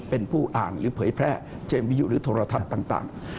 เป็นผู้อ่างหรือเผยแพร่เช่นวิยุธรรมธรรมต่าง